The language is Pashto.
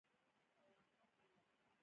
وړلې ځــواني دې زمـا څه کړه اشـنا